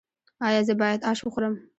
ایا زه باید اش وخورم؟